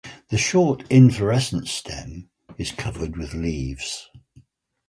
The short inflorescence stem is covered with leaves.